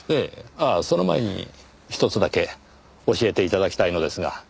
ああその前にひとつだけ教えて頂きたいのですが。